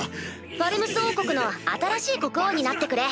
ファルムス王国の新しい国王になってくれ。